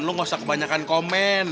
lu gak usah kebanyakan komen